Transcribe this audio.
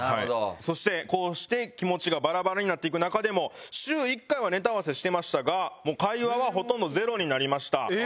そしてこうして気持ちがバラバラになっていく中でも週１回はネタ合わせしてましたが会話はほとんどゼロになりました。